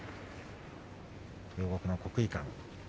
両国の国技館。